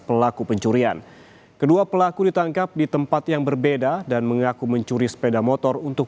pelaku pencurian kedua pelaku ditangkap di tempat yang berbeda dan mengaku mencuri sepeda motor untuk